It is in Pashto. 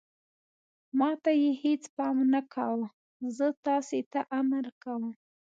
ما ته یې هېڅ پام نه کاوه، زه تاسې ته امر کوم.